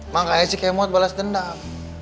makanya si kemuat balas dendam